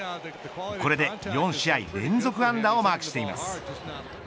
これで、４試合連続安打をマークしています。